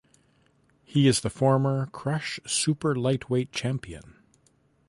He is the former Krush Super Lightweight champion.